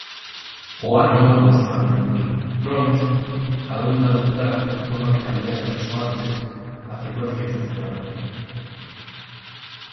O ánodo dos magnetróns adoita adoptar forma de cavidades resoantes á frecuencia de funcionamento.